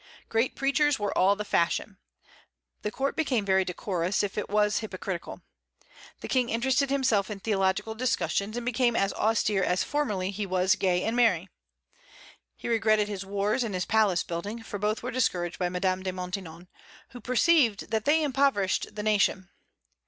Great preachers were all the fashion. The court became very decorous, if it was hypocritical. The King interested himself in theological discussions, and became as austere as formerly he was gay and merry. He regretted his wars and his palace building; for both were discouraged by Madame de Maintenon, who perceived that they impoverished the nation.